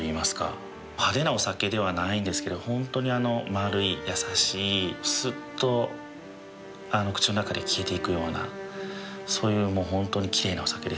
派手なお酒ではないんですけど本当にまるい優しいすっと口の中で消えていくようなそういう本当にきれいなお酒でしたね。